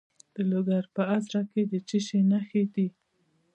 د لوګر په ازره کې د څه شي نښې دي؟